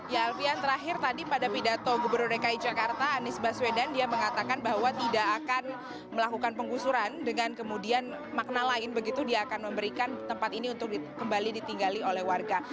ya alfian terakhir tadi pada pidato gubernur dki jakarta anies baswedan dia mengatakan bahwa tidak akan melakukan penggusuran dengan kemudian makna lain begitu dia akan memberikan tempat ini untuk kembali ditinggali oleh warga